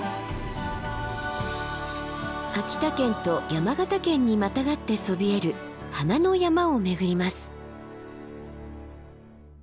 秋田県と山形県にまたがってそびえる花の山を巡ります。